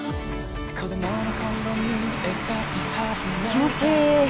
気持ちいい。